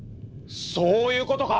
そういうことか！